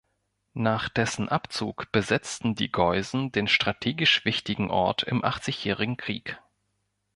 Nach dessen Abzug besetzten die Geusen den strategisch wichtigen Ort im Achtzigjährigen Krieg.